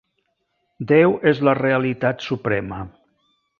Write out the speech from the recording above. Déu és la realitat suprema.